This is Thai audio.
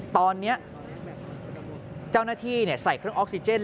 ตอนนี้เจ้าหน้าที่ใส่เครื่องออกซิเจน